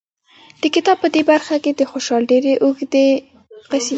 د کتاب په دې برخه کې د خوشحال ډېرې اوږې قصیدې